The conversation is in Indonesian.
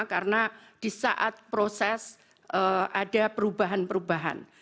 karena di saat proses ada perubahan perubahan